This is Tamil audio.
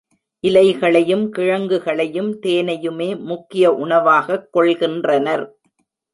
இலைகளையும், கிழங்குகளையும் தேனையுமே முக்கிய உணவாகக் கொள்கின்றனர்.